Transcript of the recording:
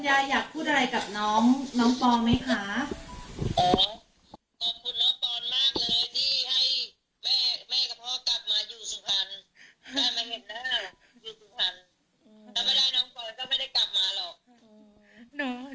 ได้มาเห็นหน้าอยู่สุภัณฑ์ถ้าไม่ได้น้องปอนก็ไม่ได้กลับมาหรอก